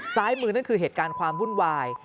ซ้ายมือนั่นคือเหตุการณ์ความวุ่นวาย